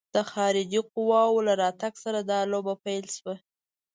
د خارجي قواوو له راتګ سره دا لوبه پیل شوه.